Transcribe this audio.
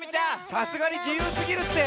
さすがに自由すぎるって。